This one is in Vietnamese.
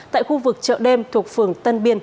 tại khu vực chợ đêm thuộc phường tân biên